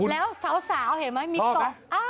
แล้วสาวเห็นไหมมีกบ